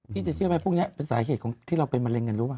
จะเชื่อไหมพวกนี้เป็นสาเหตุของที่เราเป็นมะเร็งกันรู้ป่